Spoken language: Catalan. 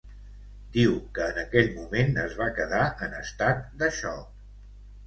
Diu que en aquell moment es va quedar en estat de xoc.